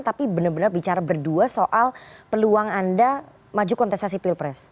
tapi benar benar bicara berdua soal peluang anda maju kontestasi pilpres